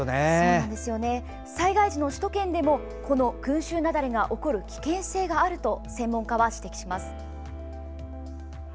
災害時の首都圏でもこの群衆雪崩が起こる危険性があると専門家は指摘します。